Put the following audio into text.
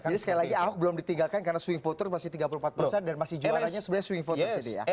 jadi sekali lagi ahok belum ditinggalkan karena swing voters masih tiga puluh empat persen dan masih juaranya sebenarnya swing voters